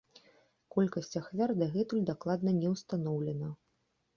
Колькасць ахвяр дагэтуль дакладна не ўстаноўлена.